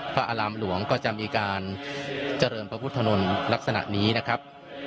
พระอารามหลวงก็จะมีการเจริญพระพุทธมนต์ลักษณะนี้นะครับ